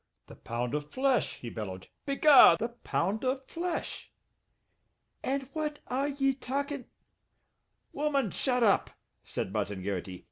"The pound of flesh!" he bellowed. "Be gar! The pound of flesh!" "And what are ye talkin' " "Woman, shut up," said Martin Garrity.